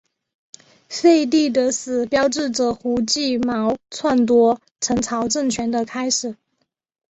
废帝的死标志着胡季牦篡夺陈朝政权的开始。